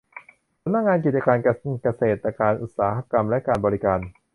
สำนักงานกิจการการเกษตรการอุตสาหกรรมและการบริการ